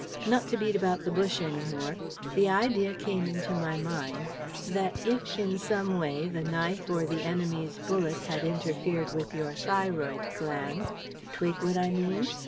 Not to beat about the bush any more, the idea came into my mind that if in some way the knife or the enemy's bullet had interfered with your thyroid gland Twig what I mean?